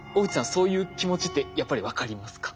そういう気持ちってやっぱり分かりますか？